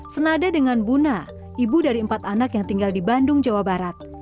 senada dengan buna ibu dari empat anak yang tinggal di bandung jawa barat